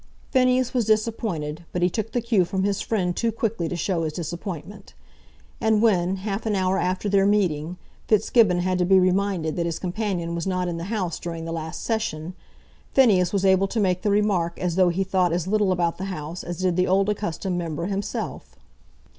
Phineas was disappointed, but he took the cue from his friend too quickly to show his disappointment. And when, half an hour after their meeting, Fitzgibbon had to be reminded that his companion was not in the House during the last session, Phineas was able to make the remark as though he thought as little about the House as did the old accustomed member himself.